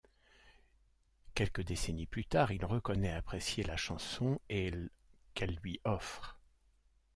Quelques décennies plus tard, il reconnaît apprécier la chanson et l' qu'elle lui offre.